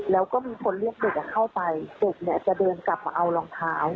แล้วก็มีคนเรียกเด็กเข้าไปเด็กเนี่ยจะเดินกลับมาเอารองเท้า